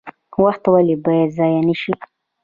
وخت ولې باید ضایع نشي؟